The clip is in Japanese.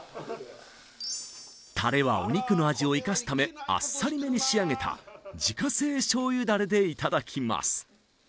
タレはお肉の味を生かすためあっさりめに仕上げた自家製醤油ダレでいただきます